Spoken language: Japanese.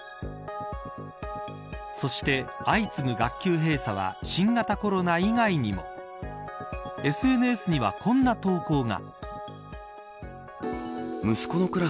そして、相次ぐ学級閉鎖は新型コロナ以外にもＳＮＳにはこんな投稿が。